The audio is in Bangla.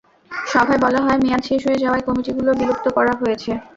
সভায় বলা হয়, মেয়াদ শেষ হয়ে যাওয়ায় কমিটিগুলো বিলুপ্ত করা হয়েছে।